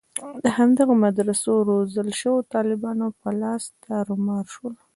د همدغو مدرسو روزل شویو طالبانو په لاس تارومار شول.